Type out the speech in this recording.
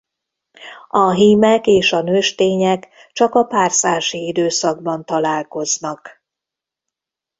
A hímek és a nőstények csak a párzási időszakban találkoznak.